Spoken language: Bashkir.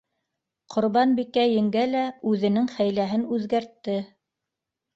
Ҡорбанбикә еңгә лә үҙенең хәйләһен үҙгәртте.